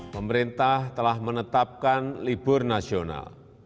pemerintah telah menetapkan libur nasional